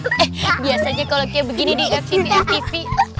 eh biasanya kalau kayak begini deh ftp ftp